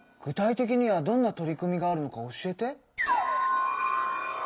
具体的にはどんな取り組みがあるのか教えて。